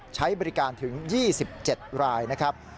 ใช้บริการถึง๒๗รายนะครับ